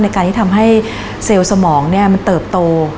การที่ทำให้เซลล์สมองมันเติบโต